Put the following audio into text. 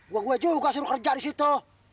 gua gua juga suruh kerja di situ